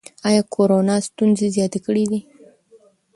ایا کورونا ستونزې زیاتې کړي دي؟